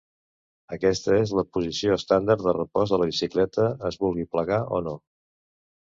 Aquesta és la posició estàndard de repòs de la bicicleta, es vulgui plegar o no.